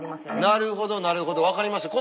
なるほどなるほど分かりました。